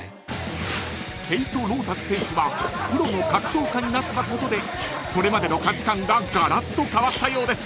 ［ケイト・ロータス選手はプロの格闘家になったことでそれまでの価値観ががらっと変わったようです］